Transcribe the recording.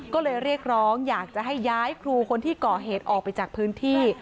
ก็เลยเรียกร้องอยากจะให้ย้ายครูคนที่ก่อเหตุออกไปจากพื้นที่